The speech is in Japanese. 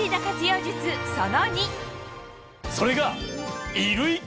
それが。